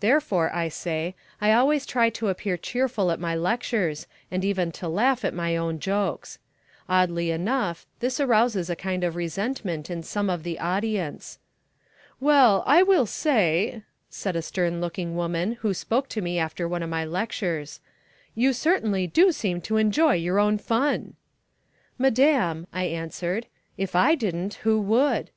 Therefore, I say, I always try to appear cheerful at my lectures and even to laugh at my own jokes. Oddly enough this arouses a kind of resentment in some of the audience. "Well, I will say," said a stern looking woman who spoke to me after one of my lectures, "you certainly do seem to enjoy your own fun." "Madam," I answered, "if I didn't, who would?"